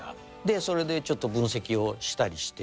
それでちょっと分析をしたりして。